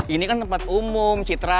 ini kan tempat umum citra